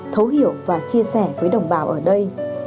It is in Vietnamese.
thấu hiểu và chia sẻ với đồng bào ở đây